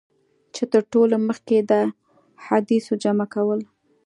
چي تر ټولو مخکي یې د احادیثو جمع کولو.